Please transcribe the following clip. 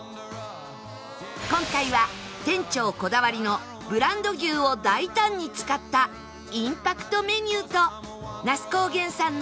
今回は店長こだわりのブランド牛を大胆に使ったインパクトメニューと那須高原産の絶品豚